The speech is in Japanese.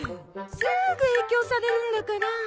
すぐ影響されるんだから。